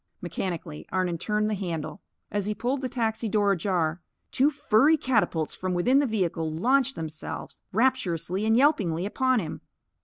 Mechanically, Arnon turned the handle. As he pulled the taxi door ajar, two furry catapults from within the vehicle launched themselves, rapturously and yelpingly, upon him.